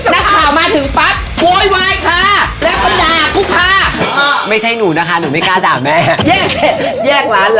และเคลียร์นักข่าวด้วยค่ะ